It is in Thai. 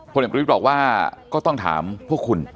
เด็กประวิทย์บอกว่าก็ต้องถามพวกคุณ